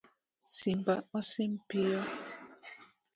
Simba osim piyo